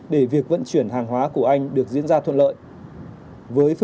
để việc vận chuyển hàng hóa của anh được diễn ra thuận lợi